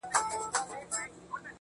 ها د فلسفې خاوند ها شتمن شاعر وايي.